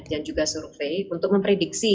dan juga survei untuk memprediksi